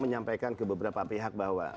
menyampaikan ke beberapa pihak bahwa